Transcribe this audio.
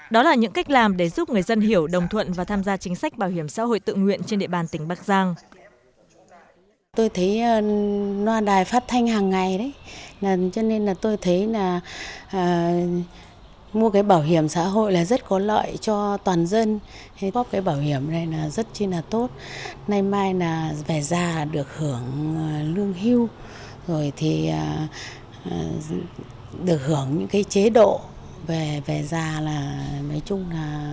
đó là những cách làm để giúp người dân hiểu đồng thuận và tham gia chính sách bảo hiểm xã hội tự nguyện trên địa bàn tỉnh bắc giang